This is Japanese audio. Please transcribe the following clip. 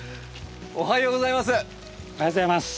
おはようございます。